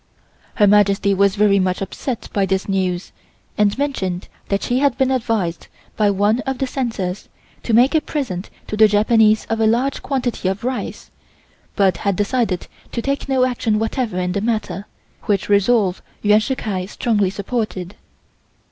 Her Majesty was very much upset by this news, and mentioned that she had been advised by one of the censors to make a present to the Japanese of a large quantity of rice, but had decided to take no action whatever in the matter, which resolve Yuan Shih Kai strongly supported.